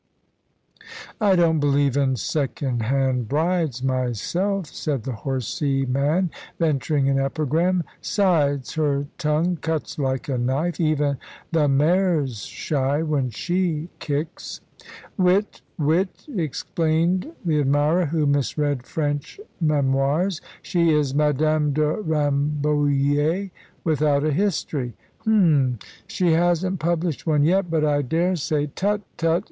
"I don't believe in second hand brides myself," said the horsey man, venturing an epigram. "'Sides, her tongue cuts like a knife. Even the mares shy when she kicks." "Wit! wit!" explained the admirer, who misread French memoirs. "She is Madame de Rambouillet without a history." "Hum! She hasn't published one yet, but I dare say " "Tut! tut!"